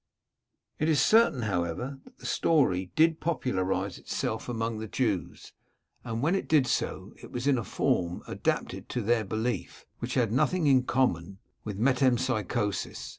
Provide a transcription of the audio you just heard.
It is certain, however, that the story did popularise itself among the Jews, and when it did so, it was in a form adapted to their belief, which had nothing in common with metempsychosis.